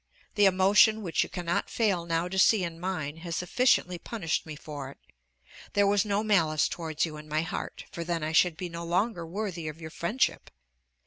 The emotion which you cannot fail now to see in mine has sufficiently punished me for it. There was no malice towards you in my heart, for then I should be no longer worthy of your friendship.